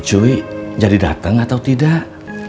cuy jadi dateng atau tidak